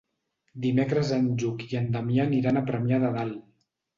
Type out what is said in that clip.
Dimecres en Lluc i en Damià aniran a Premià de Dalt.